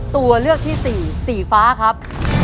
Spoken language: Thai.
ตัวเลือกที่สี่สีฟ้าครับ